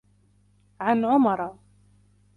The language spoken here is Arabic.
عَنْ عُمَرَ